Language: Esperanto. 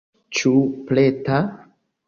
Ĉu preta?